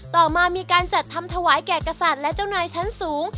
ต่อมามีการจัดทำถวายแก่กษัตริย์และเจ้านายชั้นสูง